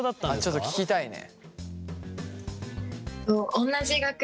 ちょっと聞きたいね。